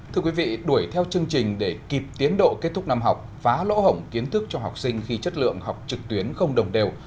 thưa quý vị đuổi theo chương trình để kịp tiến độ kết thúc năm học phá lỗ hổng kiến thức cho học sinh khi chất lượng học trực tuyến không đồng đều